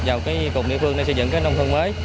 vào cột địa phương xây dựng nông thôn mới